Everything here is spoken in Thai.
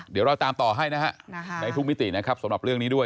เดี๋ยวเราตามต่อให้นะฮะในทุกมิตินะครับสำหรับเรื่องนี้ด้วย